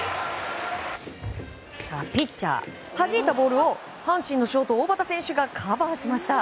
ピッチャー、はじいたボールを阪神ショート小幡選手がカバーしました。